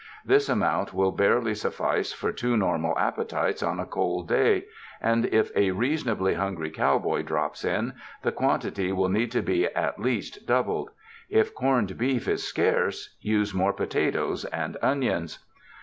This amount will barely suf fice for two normal appetites on a cold day, and if a reasonably hungry cowboy drops in, the quantity will need to be at least doubled. If corned beef is scarce, use more potatoes and onions.